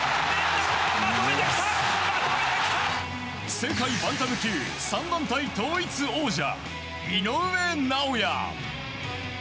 世界バンタム級３団体統一王者井上尚弥。